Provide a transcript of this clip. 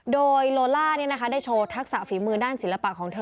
โดยโลล่าได้โชว์ทักษะฝีมือด้านศิลปะของเธอ